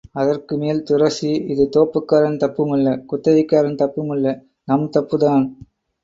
அதற்கு மேல்துரசி இது தோப்புக்காரன் தப்புமல்ல குத்தகைக்காரன் தப்பும் அல்ல நம் தப்புதான்.